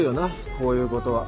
こういうことは。